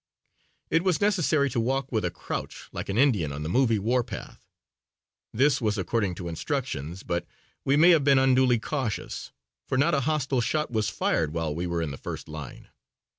It was necessary to walk with a crouch like an Indian on the movie warpath. This was according to instructions, but we may have been unduly cautious, for not a hostile shot was fired while we were in the first line.